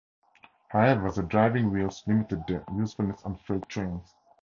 However, the driving wheels limited their usefulness on freight trains.